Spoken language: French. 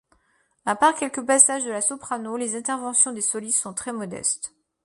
À part quelques passages de la soprano, les interventions des solistes sont très modestes.